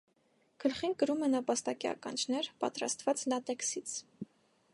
Գլխին կրում է նապաստակի ականջներ՝ պատրաստված լատեքսից։